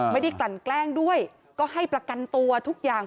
กลั่นแกล้งด้วยก็ให้ประกันตัวทุกอย่าง